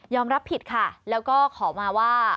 รับผิดค่ะแล้วก็ขอมาว่า